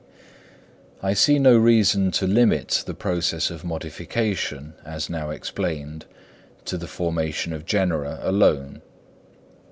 I see no reason to limit the process of modification, as now explained, to the formation of genera alone.